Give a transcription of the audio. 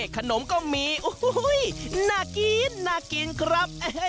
ขนมก็มีน่ากินครับ